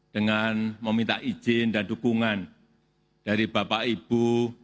dengan meminta izin dan dukungan dari bapak ibu